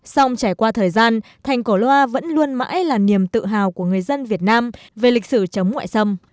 xong trải qua thời gian thành cổ loa vẫn luôn mãi là niềm tự hào của người dân việt nam về lịch sử chống ngoại xâm